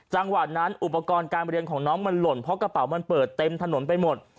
จังหวะนั้นอุปกรณ์การเรียนของน้องมันหล่นเพราะกระเป๋ามันเปิดเต็มถนนไปหมด